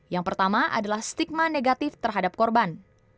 yang pertama adalah stigma negatif terhadap korban